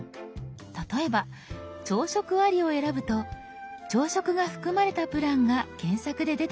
例えば「朝食あり」を選ぶと朝食が含まれたプランが検索で出てきます。